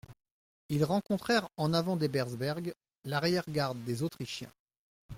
Ils rencontrèrent en avant d'Ebersberg l'arrière-garde des Autrichiens.